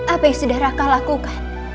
apa yang sudah raka lakukan